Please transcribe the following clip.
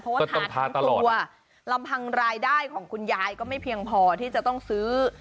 ทอดฐานทั้งครูแหลมพังรายได้ของคุณยายก็ไม่เพียงพอที่จะต้องซื้อ